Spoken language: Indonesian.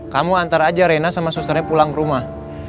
kamu antar aja reina sama susternya pulang rumah